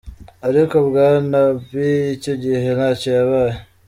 Ariko Bwana Abiy icyo gihe ntacyo yabaye.